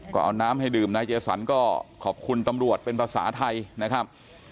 ก็เอาน้ำให้ดื่มนายเจสันก็ขอบคุณตำรวจเป็นภาษาไทยนะครับ